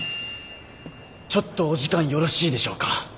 ちょっとお時間よろしいでしょうか？